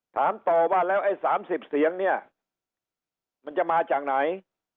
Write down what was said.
ถามต่อว่าแล้วไอ้๓๐เสียงเนี่ยมันจะมาจากไหน